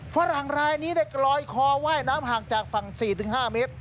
ฝรั่งรายนี้ได้กลอยคอว่ายน้ำห่างจากฝั่ง๔๕เมตร